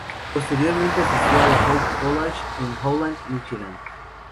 Posteriormente asistió al Hope College, en Holland, Míchigan.